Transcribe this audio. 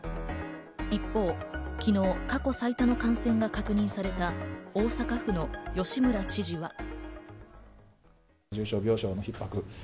一方、昨日、過去最多の感染が確認された大阪府の吉村知事は。